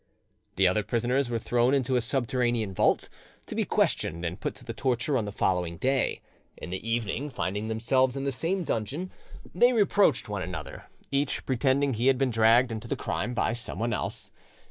The other prisoners were thrown into a subterranean vault, to be questioned and put to the torture on the following day. In the evening, finding themselves in the same dungeon, they reproached one another, each pretending he had been dragged into the crime by someone else.